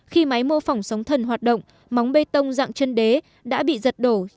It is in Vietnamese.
khi máy mô phỏng sóng thần hoạt động móng bê tông dạng chân đế đã bị giật đổ